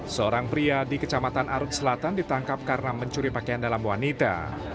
seorang pria di kecamatan arut selatan ditangkap karena mencuri pakaian dalam wanita